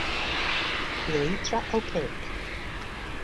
Elytra opaque.